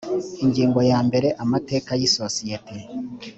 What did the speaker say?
ingingo ya mbere amateka y isosiyete